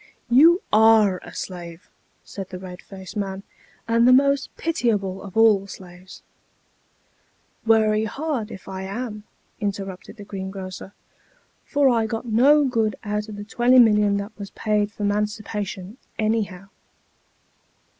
" You are a slave," said the red faced man, " and the most pitiable of all slaves." " Werry hard if I am," interrupted the greengrocer, " for I got no good out of the twenty million that was paid for 'mancipation, any how."